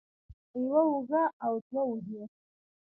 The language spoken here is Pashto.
يوه اوږه او دوه اوږې